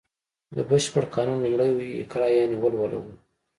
د بشپړ قانون لومړی ویی اقرا یانې ولوله و